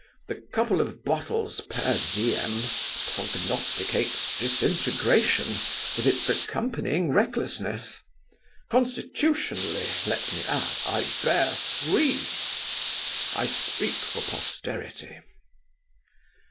The couple of bottles per diem prognosticates disintegration, with its accompanying recklessness. Constitutionally, let me add, I bear three. I speak for posterity."